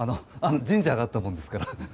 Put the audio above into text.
神社があったものですから。